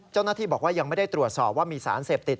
เจ้าหน้าที่บอกว่ายังไม่ได้ตรวจสอบว่ามีสารเสพติด